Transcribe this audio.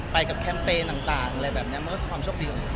ไปกับแคมเปญต่างต่างอะไรแบบเนี้ยเพราะว่าความโชคดีของพร้อมแล้วก็